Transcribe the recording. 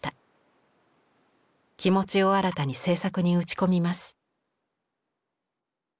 気持ちを新たに制作に打ち込みます。